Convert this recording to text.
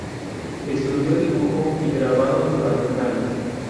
Estudió dibujo y grabado durante un año.